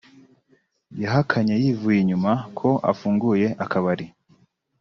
yahakanye yivuye inyuma ko afunguye akabari